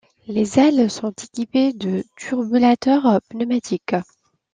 Les ailes sont équipées de turbulateur pneumatique.